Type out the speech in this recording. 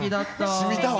しみたわ。